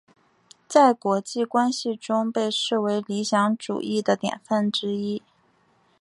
在国际关系中被视为理想主义的典范之一。